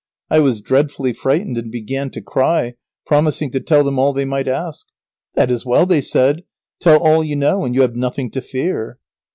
I was dreadfully frightened and began to cry, promising to tell them all they might ask. "That is well," they said, "tell all you know and you have nothing to fear."